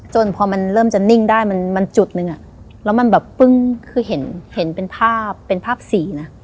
จนพอมันเริ่มจะนิ่งได้มันจุดนึงอ่ะแล้วมันแบบปึ้งคือเห็นเป็นภาพเป็นภาพสีนะ